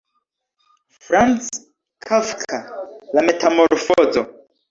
Franz Kafka: La metamorfozo.